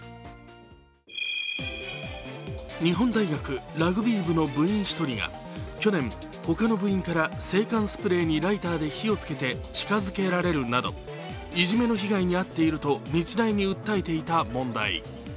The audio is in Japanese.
日本大学ラグビー部の部員１人が、去年他の部員から制汗スプレーにライターで火をつけて近づけられるなど、いじめの被害に遭っていると日大に訴えていた問題。